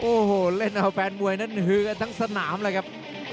โอ้โหเล่นเอาแฟนมวยนั้นฮือกันทั้งสนามเลยครับ